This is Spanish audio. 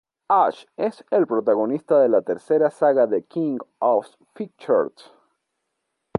Ash es el protagonista de la tercera saga de King of Fighters.